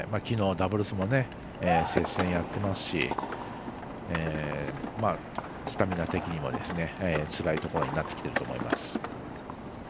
ダブルスも接戦やっていますしスタミナ的にもつらいところになってきてると思います。